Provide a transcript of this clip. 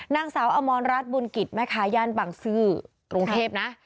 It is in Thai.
นางสาวอมรรัฐบุญกิจแม่ค้าย่านบางซื่อกรุงเทพนะ